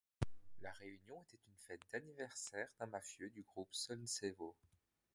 La réunion était une fête d'anniversaire d'un mafieux du groupe Solntsevo.